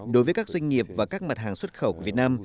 đối với các doanh nghiệp và các mặt hàng xuất khẩu của việt nam